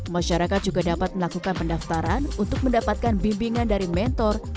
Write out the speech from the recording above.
masyarakat juga dapat melakukan pendaftaran untuk mendapatkan bimbingan dari mentor mentor dan pengusaha